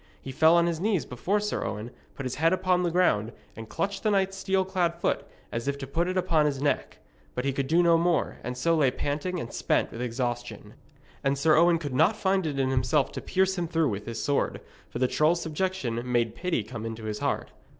He fell on his knees before Sir Owen, put his head upon the ground, and clutched the knight's steel clad foot as if to put it upon his neck. But he could do no more, and so lay panting and spent with exhaustion. And Sir Owen could not find it in himself to pierce him through with his sword, for the troll's subjection made pity come into his heart.